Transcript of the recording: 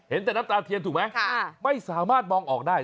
แต่น้ำตาเทียนถูกไหมไม่สามารถมองออกได้